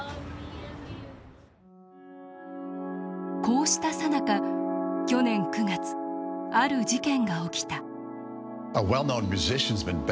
こうしたさなか去年９月ある事件が起きた。